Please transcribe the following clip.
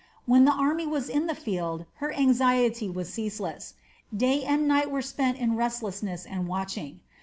When the army was in the field her anxiety was ceaseless; day and night were spent in restlessness and watching.